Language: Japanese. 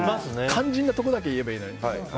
肝心なところだけ言えばいいのに。